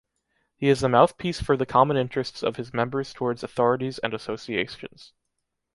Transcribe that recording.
He is the mouthpiece for the common interests of his members towards authorities and associations.